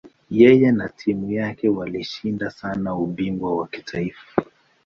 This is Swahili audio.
Yeye na timu yake walishinda sana ubingwa wa kitaifa.